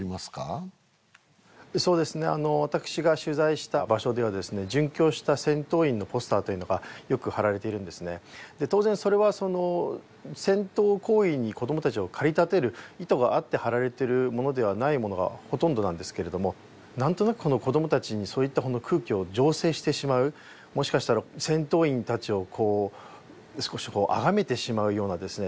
あの私が取材した場所ではですね殉教した戦闘員のポスターというのがよく貼られているんですねで当然それはその戦闘行為に子どもたちを駆り立てる意図があって貼られてるものではないものがほとんどなんですけれども何となくこの子どもたちにそういったこの空気を醸成してしまうもしかしたら戦闘員たちをこう少し崇めてしまうようなですね